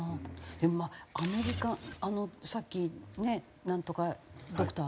でもまあアメリカさっきねナントカドクター。